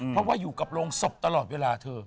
เพราะว่าอยู่กับโรงศพตลอดเวลาเธอ